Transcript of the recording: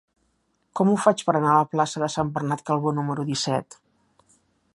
Com ho faig per anar a la plaça de Sant Bernat Calbó número disset?